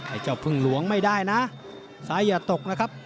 ไอ้เจ้าพึ่งหลวงไม่ได้นะซ้ายอย่าตกนะครับ